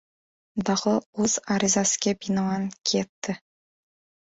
Daho "o‘z arizasiga binoan" ketdi.